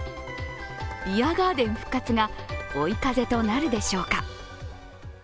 ビアガーデン復活が追い風となるでしょうか。